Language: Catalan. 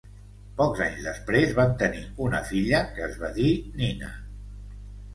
Pocs anys després, van tenir una filla que es va dir Nina.